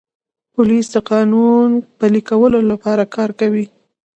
پولیس د قانون پلي کولو لپاره کار کوي.